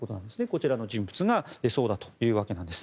こちらの人物がそうだというわけなんです。